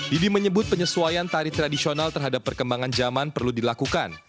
didi menyebut penyesuaian tari tradisional terhadap perkembangan zaman perlu dilakukan